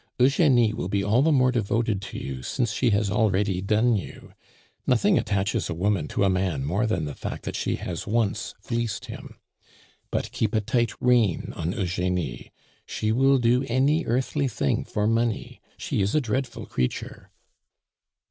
Eugenie will be all the more devoted to you since she has already done you. Nothing attaches a woman to a man more than the fact that she has once fleeced him. But keep a tight rein on Eugenie; she will do any earthly thing for money; she is a dreadful creature!"